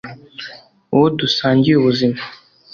uwo dusangiye ubuzima